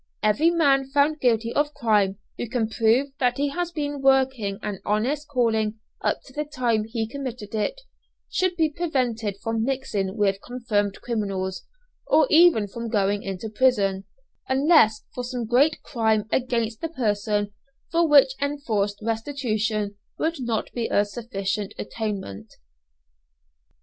Every man found guilty of crime who can prove that he has been working at an honest calling up to the time he committed it, should be prevented from mixing with confirmed criminals, or even from going into prison, unless for some great crime against the person for which enforced restitution would not be a sufficient atonement.